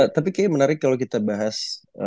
tapi kayaknya menarik kalau kita bahas